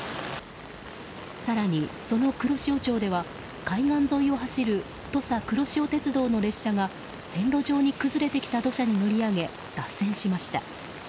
更に、その黒潮町では海岸沿いを走る土佐くろしお鉄道の列車が線路上に崩れてきた土砂に乗り上げ脱線しました。